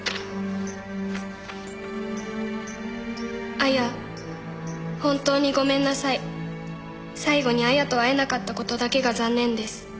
「亜矢ほんとうにごめんなさい」「最後に亜矢と会えなかったことだけが残念です」